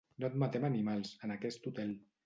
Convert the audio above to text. No admetem animals, en aquest hotel.